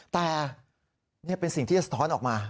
แต่นี่เป็นสิ่งที่สะท้อนออกมา